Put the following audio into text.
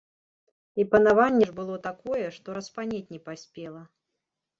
І панаванне ж было такое, што распанець не паспела.